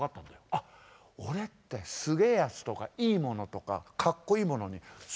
あっ俺ってすげえやつとかいいモノとかかっこいいモノにすぐなびく。